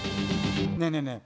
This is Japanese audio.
ねえねえねえ